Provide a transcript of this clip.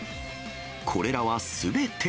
これらはすべて。